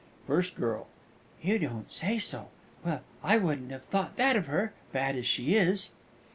FIRST GIRL. You don't say so! Well, I wouldn't have thought that of her, bad as she is.